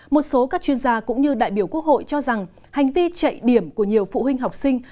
một số các chuyên gia cũng như đại biểu quốc hội cho rằng hành vi chạy điểm của nhiều phụ huynh học sinh